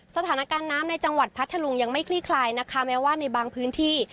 สถานการณ์น้ำในจังหวัดพัทธลุงยังไม่คลี่คลายนะคะแม้ว่าในบางพื้นที่